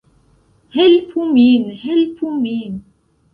Helpu min! Helpu min!